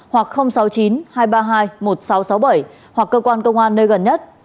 hoặc sáu mươi chín hai trăm ba mươi hai một nghìn sáu trăm sáu mươi bảy hoặc cơ quan công an nơi gần nhất